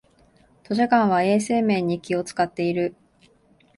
図書館は衛生面に気をつかっている